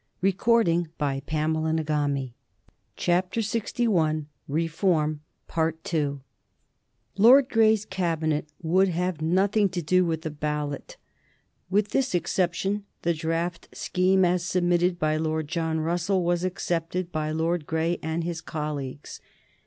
[Sidenote: 1831 Lord John Russell and the Reform Bill] Lord Grey's Cabinet would have nothing to do with the ballot. With this exception the draft scheme as submitted by Lord John Russell was accepted by Lord Grey and his colleagues.